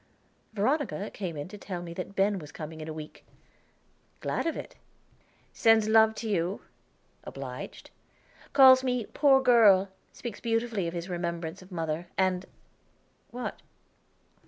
Veronica came in to tell me that Ben was coming in a week. "Glad of it." "Sends love to you." "Obliged." "Calls me 'poor girl'; speaks beautifully of his remembrance of mother, and " "What?"